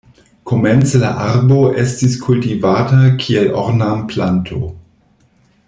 Komence la arbo estis kultivata kiel ornamplanto.